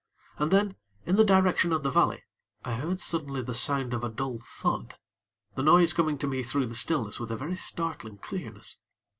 And then, in the direction of the valley, I heard suddenly the sound of a dull thud, the noise coming to me through the stillness with a very startling clearness.